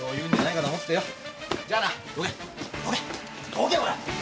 どけほら。